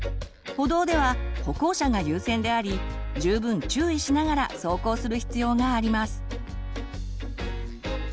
歩道では歩行者が優先であり十分注意しながら走行する必要があります。